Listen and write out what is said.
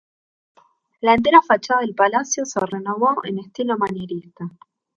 La entera fachada del palacio se renovó en estilo manierista.